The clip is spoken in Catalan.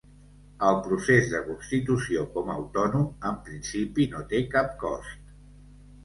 El procés de constitució com a autònom, en principi, no té cap cost.